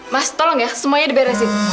mas tolong ya semuanya diberesin